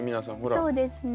そうですね。